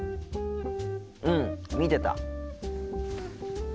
うん見てた。